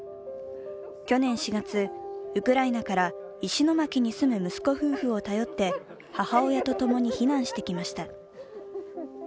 去年４月、ウクライナから石巻に住む息子夫婦を頼って母親とともに避難してきました。